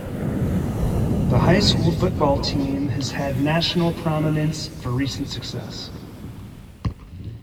The high school football team has had national prominence for recent success.